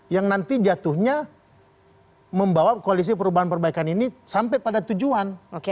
yang nanti jatuhnya membawa koalisi perubahan perbaikan ini sampai pada tujuan